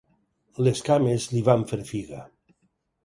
Les cames li van fer figa.